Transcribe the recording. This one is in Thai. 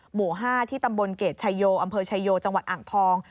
หมู่๕ที่ตำบลเกรดชายโยอำเภอชายโยจังหวัดอ่างทอง